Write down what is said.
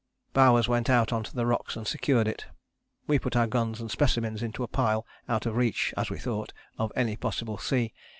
Bowers went out on to the rocks and secured it. We put our guns and specimens into a pile, out of reach, as we thought, of any possible sea.